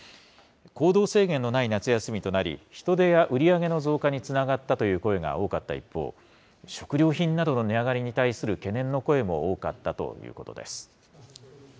行動制限のない夏休みとなり、人出や売り上げの増加につながったという声が多かった一方、食料品などの値上がりに対する懸念の声も多かったということです。